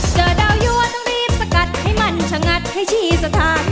เจอดาวยัวต้องรีบสกัดให้มันชะงัดให้ชี้สถาน